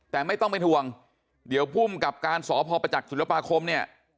แต่ไม่ต้องเป็นห่วงเดี๋ยวภูมิกับการสพประจักษุลปาคมเนี่ย